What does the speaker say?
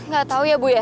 gak tau ya bu ya